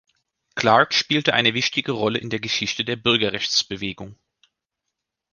Clark spielte eine wichtige Rolle in der Geschichte der Bürgerrechtsbewegung.